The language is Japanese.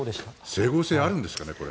整合性あるんですかね。